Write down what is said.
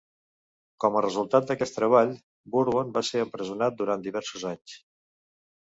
Com a resultat d'aquest treball, Bourbon va ser empresonat durant diversos anys.